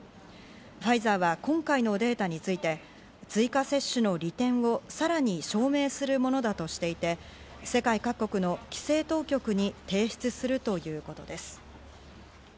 ファイザーは今回のデータについて、追加接種の利点をさらに証明するものだとしていて、世界各国の規制当局に提出するということです。